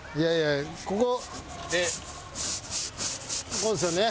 こうですよね？